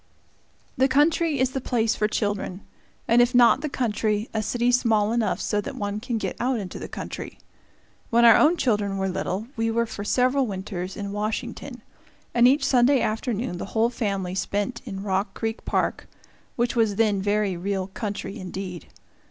The country is the place for children, and if not the country, a city small enough so that one can get out into the country. When our own children were little, we were for several winters in Washington, and each Sunday afternoon the whole family spent in Rock Creek Park, which was then very real country indeed.